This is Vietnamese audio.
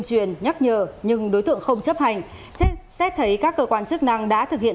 truyền nhắc nhở nhưng đối tượng không chấp hành trên xét thấy các cơ quan chức năng đã thực hiện